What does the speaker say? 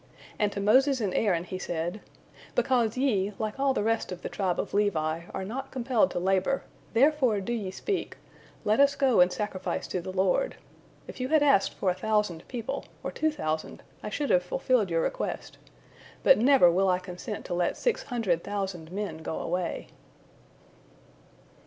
And to Moses and Aaron, he said, "Because ye, like all the rest of the tribe of Levi, are not compelled to labor, therefore do ye speak, 'Let us go and sacrifice to the Lord.' If you had asked for a thousand people, or two thousand, I should have fulfilled your request, but never will I consent to let six hundred thousand men go away."